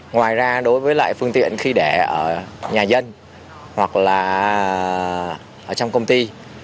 ngoài ra đối với lại phương tiện khi để ở nhà dân hoặc là ở trong công ty